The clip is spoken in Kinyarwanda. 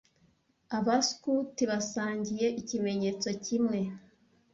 Abaskuti basangiye ikimenyetso kimwe